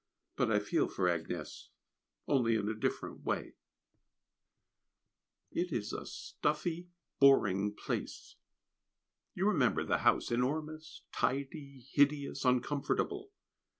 But I feel for Agnès, only in a different way. [Sidenote: A Quiet Evening] It is a stuffy, boring place. You remember the house enormous, tidy, hideous, uncomfortable.